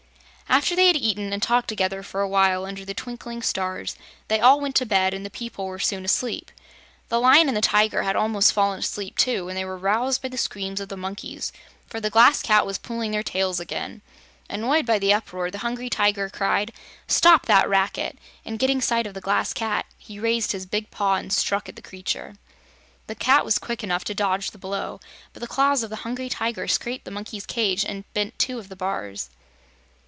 After they had eaten and talked together for a while under the twinkling stars, they all went to bed and the people were soon asleep. The Lion and the Tiger had almost fallen asleep, too, when they were roused by the screams of the monkeys, for the Glass Cat was pulling their tails again. Annoyed by the uproar, the Hungry Tiger cried: "Stop that racket!" and getting sight of the Glass Cat, he raised his big paw and struck at the creature. The cat was quick enough to dodge the blow, but the claws of the Hungry Tiger scraped the monkey's cage and bent two of the bars.